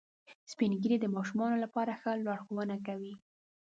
سپین ږیری د ماشومانو لپاره ښه لارښوونه کوي